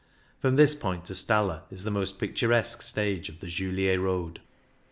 From this point to Stalla is the most picturesque stage of the Julier Road.